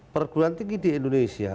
perguruan tinggi di indonesia